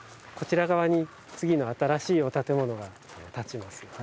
こちら側に次の新しいお建物が建ちます。